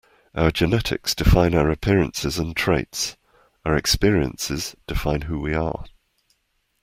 Our genetics define our appearances and traits. Our experiences define who we are.